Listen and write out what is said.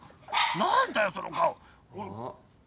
何だよその顔あっ。